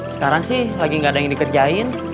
sekarang sih lagi nggak ada yang dikerjain